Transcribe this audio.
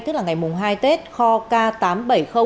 tức là ngày mùng hai tết kho k tám trăm bảy mươi